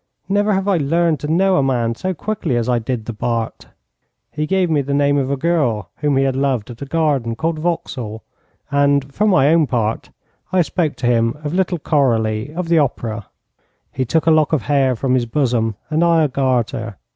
Never have I learned to know a man so quickly as I did the Bart. He gave me the name of a girl whom he had loved at a garden called Vauxhall, and, for my own part, I spoke to him of little Coralie, of the Opera. He took a lock of hair from his bosom, and I a garter.